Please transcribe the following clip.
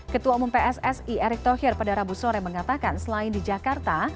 ketua umum pssi erick thohir pada rabu sore mengatakan selain di jakarta